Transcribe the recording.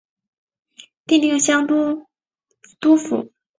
属定襄都督府。